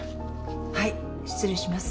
はい失礼します。